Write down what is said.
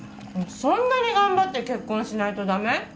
そんなに頑張って結婚しないとダメ？